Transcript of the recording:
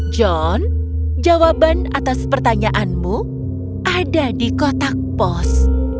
john jawaban atas pertanyaanmu ada di kotak pos